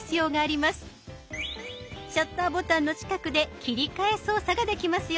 シャッターボタンの近くで切り替え操作ができますよ。